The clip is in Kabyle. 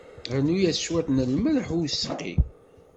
Rnu-yas cwiṭ n lmelḥ i useqqi.